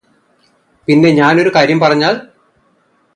പിന്നെ ഞാന് ഒരു കാര്യം പറഞ്ഞാല്